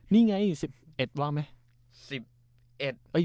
นี่ไง๑๑ว่างไหม